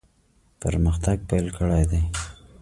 پرمختګ پیل کړی دی.